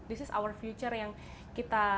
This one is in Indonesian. ini adalah masa depan kita